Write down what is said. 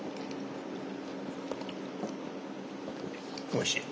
おいしい。